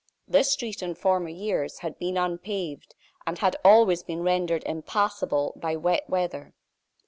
This street, in former years, had been unpaved, and had always been rendered impassable by wet weather.